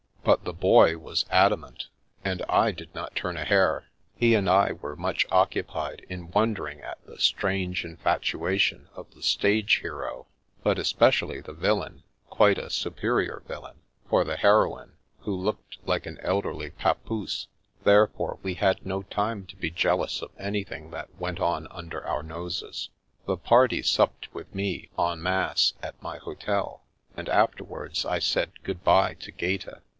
But the Boy was adamant, and I did not turn a hair. He and I were much occupied in wondering at the strange infatua tion of the stage hero, but especially the villain — quite a superior villain — for the heroine, who looked like an elderly papoose : therefore we had no time to be jealous of anything that went on under our noses. The Revenge of the Mountain 275 The party supped with me, en masse, at my hotel; and afterwards I said good bye to Gaeta.